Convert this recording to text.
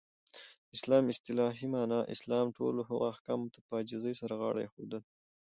د اسلام اصطلاحی معنا : اسلام ټولو هغه احکامو ته په عاجزی سره غاړه ایښودل.